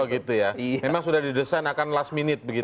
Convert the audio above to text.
oh gitu ya memang sudah didesain akan last minute begitu